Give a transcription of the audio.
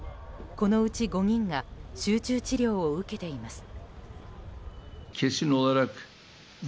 このうち、５人が集中治療を受けています。